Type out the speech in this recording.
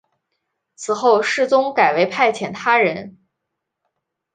此后世宗改为派遣他人。